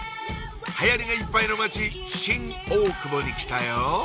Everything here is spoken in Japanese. はやりがいっぱいの街新大久保に来たよ！